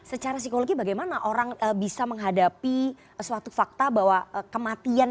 secara psikologi bagaimana orang bisa menghadapi suatu fakta bahwa kematian